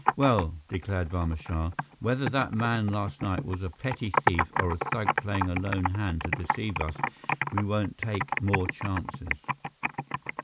Well," declared Barma Shah, "whether that man last night was a petty thief or a thug playing a lone hand to deceive us, we won't take more chances."